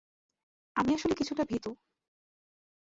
আমি আসলে কিছুটা ভীতু।